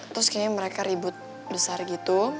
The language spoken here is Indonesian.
terus kayaknya mereka ribut besar gitu